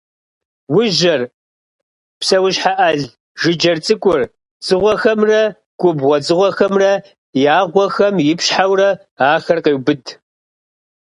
Ужьэр, псэущхьэ ӏэл жыджэр цӏыкӏур, дзыгъуэхэмрэ губгъуэ дзыгъуэхэмрэ я гъуэхэм ипщхьэурэ ахэр къеубыд.